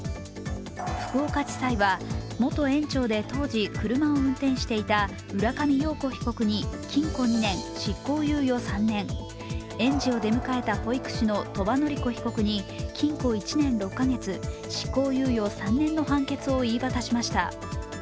福岡地裁は元園長で当時、車を運転していた浦上陽子被告に禁錮２年・執行猶予３年、園児を出迎えた保育士の鳥羽詞子被告に禁錮１年６か月・執行猶予３年の判決を言い渡しました。